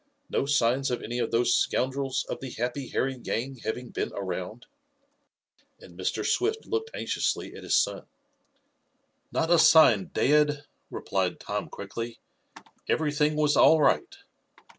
No signs of any of those scoundrels of the Happy Harry gang having been around?" and Mr. Swift looked anxiously at his son. "Not a sign, dad," replied Tom quickly. "Everything was all right.